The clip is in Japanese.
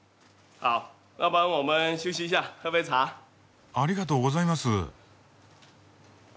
ありがとうございます。